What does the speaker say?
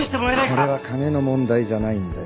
これは金の問題じゃないんだよ。